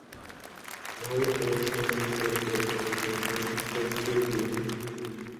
— Voy, og‘zingizdan o‘rgilay, ovsinjon! Koshkiydi-ya!